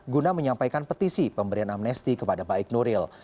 guna menyampaikan petisi pemberian amnesti kepada baik nuril